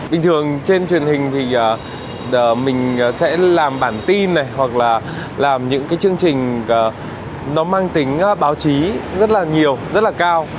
bình thường trên truyền hình thì mình sẽ làm bản tin này hoặc là làm những cái chương trình nó mang tính báo chí rất là nhiều rất là cao